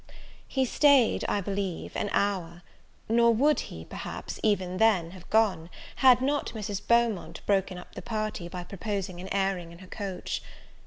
He stayed, I believe, an hour; nor would he, perhaps, even then have gone, had not Mrs. Beaumont broken up the party, by proposing an airing in her coach.